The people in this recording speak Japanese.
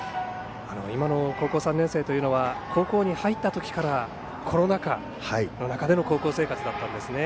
今の高校３年生というのは高校に入った時からコロナ禍の中での高校生活だったんですね。